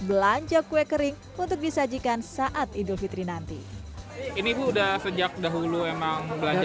belanja kue kering untuk disajikan saat idul fitri nanti ini bu udah sejak dahulu emang belanja